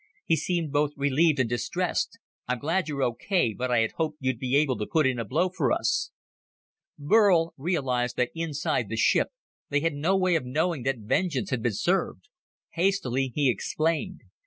He seemed both relieved and distressed. "I'm glad you're okay, but I had hoped you'd be able to put in a blow for us." Burl realized that inside the ship they had no way of knowing that vengeance had been served. Hastily, he explained.